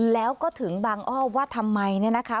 แล้วก็ถึงบางอ้อว่าทำไมเนี่ยนะคะ